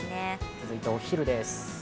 続いてお昼です。